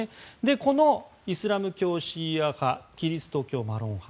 このイスラム教シーア派キリスト教マロン派